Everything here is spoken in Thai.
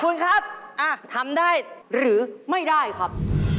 คุณครับทำได้หรือไม่ได้ครับ